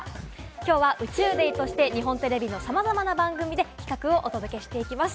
きょうは宇宙ＤＡＹとして、日本テレビのさまざまな番組で企画をお届けしていきます。